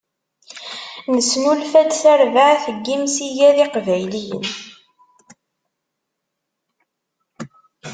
Nesnulfa-d tarbaεt n imsidag iqbayliyen.